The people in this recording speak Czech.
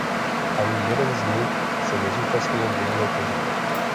Ani jeden z nich se nezúčastnil jejího pohřbu.